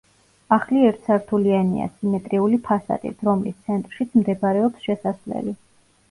ახლი ერთსართულიანია, სიმეტრიული ფასადით, რომლის ცენტრშიც მდებარეობს შესასვლელი.